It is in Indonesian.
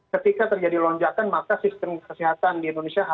ketika terjadi lonjakan maka sistem kesehatan akan berubah